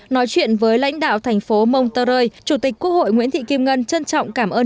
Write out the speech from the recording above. nói chuyện với lãnh đạo thành phố montreux chủ tịch quốc hội nguyễn thị kim ngân trân trọng cảm ơn